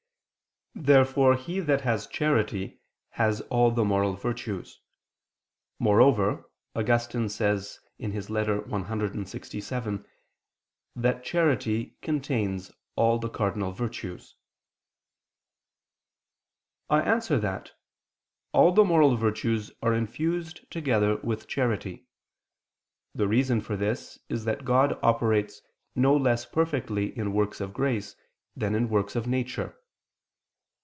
Therefore he that has charity, has all the moral virtues. Moreover, Augustine says in a letter (Epis. clxvii) [*Cf. Serm. xxxix and xlvi de Temp.] that charity contains all the cardinal virtues. I answer that, All the moral virtues are infused together with charity. The reason for this is that God operates no less perfectly in works of grace than in works of nature.